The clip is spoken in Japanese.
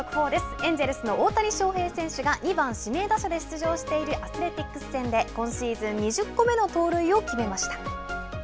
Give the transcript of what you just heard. エンジェルスの大谷翔平選手が２番指名打者で出場しているアスレティックス戦で今シーズン２０個目の盗塁を決めました。